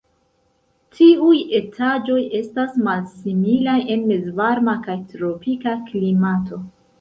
Tiuj etaĝoj estas malsimilaj en mezvarma kaj tropika klimato.